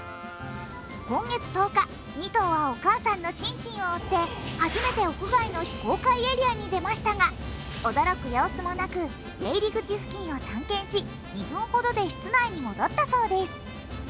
今月１０日、２頭はお母さんのシンシンを追って初めて屋外の非公開エリアに出ましたが、驚く様子もなく出入り口付近を探検し、２分ほどで室内に戻ったそうです。